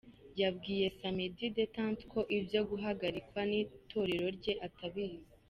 Yabwiye Samedi Détente ko ibyo guhagarikwa n’itorero rye atabizi.